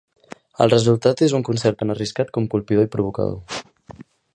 El resultat és un concert tan arriscat com colpidor i provocador.